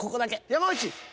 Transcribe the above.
山内！